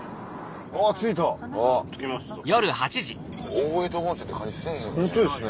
大江戸温泉って感じせぇへんね。